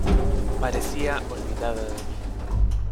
parecía olvidada de mí.